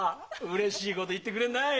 うれしいごと言ってくれるない。